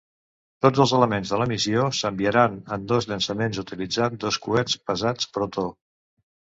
Tots els elements de la missió s'enviaran en dos llançaments utilitzant dos coets pesats Protó.